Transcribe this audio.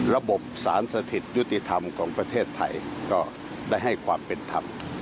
ระบบสารสถิตยุติธรรมของประเทศไทยก็ได้ให้ความเป็นธรรม